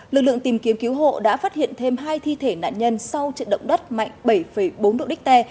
lực lượng tìm kiếm cứu hộ đã phát hiện thêm hai thi thể nạn nhân sau trận động đất mạnh bảy bốn độ đích tè